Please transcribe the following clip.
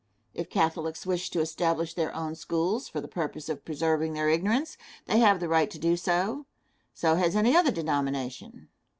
If Catholics wish to establish their own schools for the purpose of preserving their ignorance, they have the right to do so; so has any other denomination.